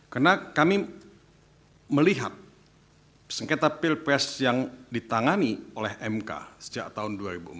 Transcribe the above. karena kami melihat sengketa pilpres yang ditangani oleh mk sejak tahun dua ribu empat